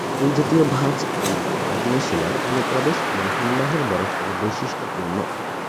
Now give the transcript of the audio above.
এই জাতীয় ভাঁজ অনেক আগ্নেয় শিলার অনুপ্রবেশ এবং হিমবাহের বরফের বৈশিষ্ট্যপূর্ণ।